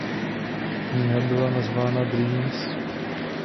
Kniha byla nazvaná Dreams.